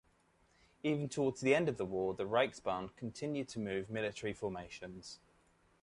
Even towards the end of the war the Reichsbahn continued to move military formations.